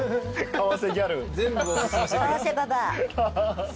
買わせババア。